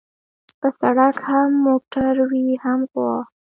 په سړک هم موټر وي هم غوا.